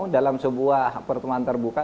dalam sebuah pertemuan terbuka